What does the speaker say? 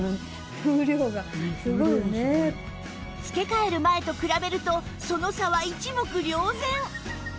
付け替える前と比べるとその差は一目瞭然